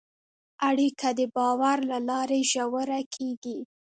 اړیکه د باور له لارې ژوره کېږي.